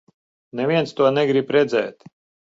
Neviens to negrib redzēt.